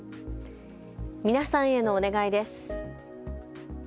皆さんへのお願いです。